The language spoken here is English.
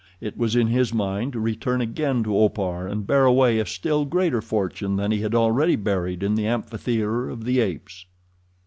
It was in his mind to return again to Opar and bear away a still greater fortune than he had already buried in the amphitheater of the apes.